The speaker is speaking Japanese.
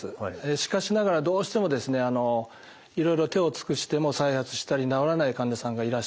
しかしながらどうしてもですねいろいろ手を尽くしても再発したり治らない患者さんがいらっしゃいます。